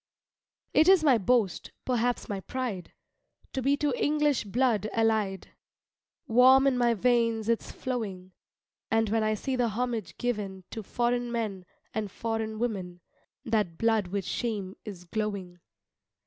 It is my boast, perhaps my pride, To be to English blood allied, Warm in my veins it's flowing; And when I see the homage given To foreign men and foreign women, That blood with shame is glowing.